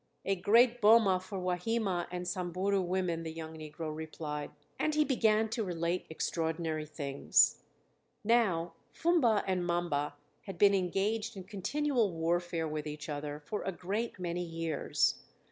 "A great boma for Wahima and Samburu women," the young negro replied. And he began to relate extraordinary things. Now Fumba and Mamba had been engaged in continual warfare with each other for a great many years.